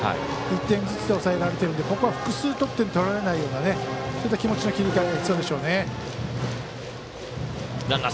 １点ずつで抑えられているのでここは複数得点取られないような気持ちの切り替えが必要でしょうね。